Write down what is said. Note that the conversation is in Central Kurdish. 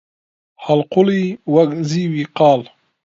هەڵقوڵی وەک زیوی قاڵ